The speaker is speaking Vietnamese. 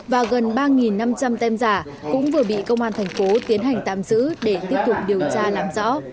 và gần ba năm trăm linh tem giả cũng vừa bị công an thành phố tiến hành tạm giữ để tiếp tục điều tra làm rõ